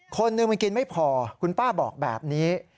คนหนึ่งมันกินไม่พอคุณป้าบอกแบบนี้